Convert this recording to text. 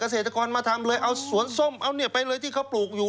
เออเกษตรกรมาทำเลยเอาสวนส้มไปเลยที่เขาปลูกอยู่